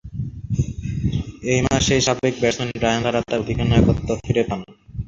ঐ মাসেই সাবেক ব্যাটসম্যান ব্রায়ান লারা তার অধিনায়কত্ব ফিরে পান।